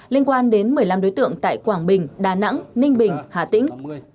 liên quan đến một mươi năm đối tượng tại quảng bình đà nẵng ninh bình hà tĩnh